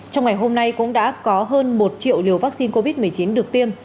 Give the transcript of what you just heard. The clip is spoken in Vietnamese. trong ngày hôm nay cũng đã có hơn một triệu liều vaccine covid một mươi chín được tiêm